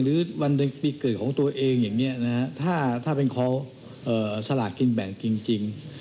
หรือวันปีเกิดของตัวเองอย่างเงี้ยนะฮะถ้าถ้าเป็นขอเอ่อสละกินแบ่งจริงจริง